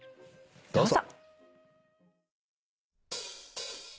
どうぞ。